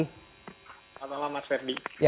selamat malam mas ferdi